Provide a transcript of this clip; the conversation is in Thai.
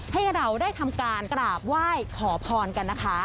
ให้เราได้ทำการกราบไหว้ขอพรกันนะคะ